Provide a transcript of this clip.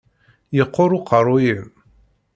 Yeqquṛ uqeṛṛu-yim.